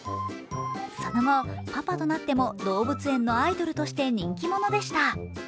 その後、パパとなっても動物園のアイドルとして人気者でした。